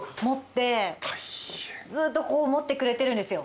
ずっとこう持ってくれてるんですよ。